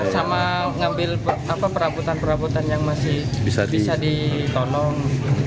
sama ngambil perabotan perabotan yang masih bisa ditonong